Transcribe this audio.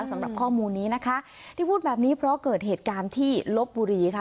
สำหรับข้อมูลนี้นะคะที่พูดแบบนี้เพราะเกิดเหตุการณ์ที่ลบบุรีค่ะ